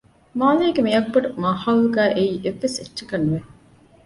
މާލޭގެ މި އަގުބޮޑު މާޚައުލުގައި އެއީ އެއްވެސް އެއްޗަކަށް ނުވެ